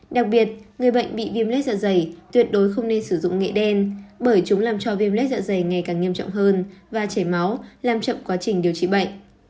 đặc biệt người bệnh bị viêm lết dạ dày tuyệt đối không nên sử dụng nghệ đen bởi chúng làm cho viêm lết dạ dày ngày càng nghiêm trọng hơn và chảy máu làm chậm quá trình điều trị bệnh